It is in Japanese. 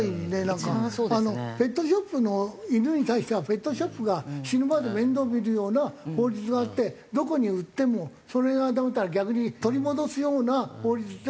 なんかペットショップの犬に対してはペットショップが死ぬまで面倒見るような法律があってどこに売ってもそれはと思ったら逆に取り戻すような法律で。